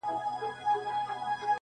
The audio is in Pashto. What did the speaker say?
زه پوهېدم څوک به دي نه خبروي -